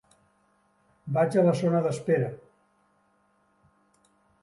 Vagi a la zona d'espera.